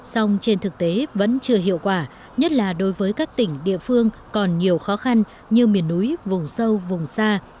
song trên thực tế vẫn chưa hiệu quả nhất là đối với các tỉnh địa phương còn nhiều khó khăn như miền núi vùng sâu vùng xa